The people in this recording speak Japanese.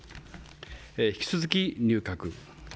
引き続き入閣。